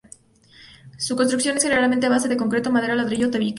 Su construcción es generalmente a base de concreto, madera, ladrillo o tabique.